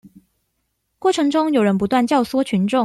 過程中有人不斷教唆群眾